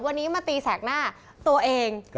วันนี้มาตีแสกหน้าตัวเอง